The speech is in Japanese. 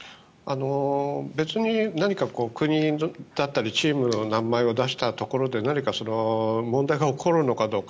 別に何か国だったりチームの名前を出したところで何か問題が起こるのかどうか。